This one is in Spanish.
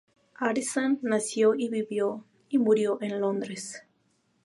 Addison nació, vivió y murió en Londres.